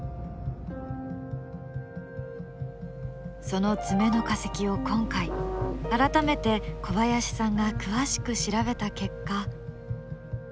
その爪の化石を今回改めて小林さんが詳しく調べた結果。